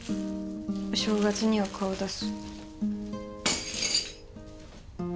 お正月には顔出す。